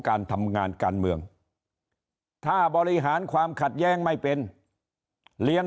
การทำงานการเมืองถ้าบริหารความขัดแย้งไม่เป็นเลี้ยง